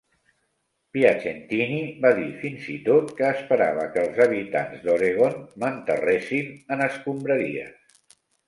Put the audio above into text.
Piacentini va dir fins i tot que esperava que els habitants d'Oregon "m'enterressin en escombraries".